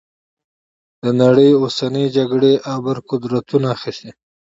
د نړۍ اوسنۍ جګړې ابرقدرتونو اخیستي.